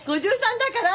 ５３だから。